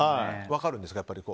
分かるんですか。